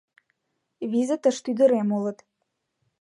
— Визытышт ӱдырем улыт.